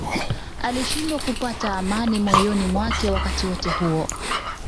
Alishindwa kupata amani moyoni mwake wakati wote huo